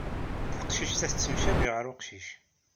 Taqcict-a tettemcabi ɣer uqcic.